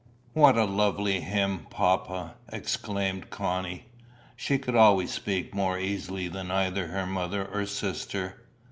"What a lovely hymn, papa!" exclaimed Connie. She could always speak more easily than either her mother or sister.